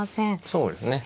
そうですね。